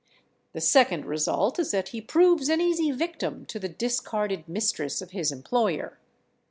The second result is that he proves an easy victim to the discarded mistress of his employer.